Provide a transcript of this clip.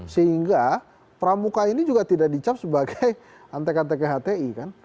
sehingga pramuka ini juga tidak dicap sebagai antek antek hti kan